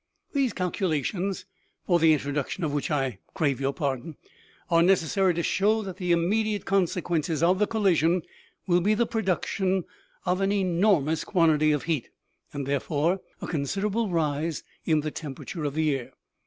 " These calculations, for the introduction of which I crave your pardon, are necessary to show that the imme diate consequence of the collision will be the production of an enormous quantity of heat, and, therefore, a consider able rise in the temperature of the air.